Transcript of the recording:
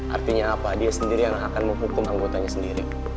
artinya apa dia sendiri yang akan menghukum anggotanya sendiri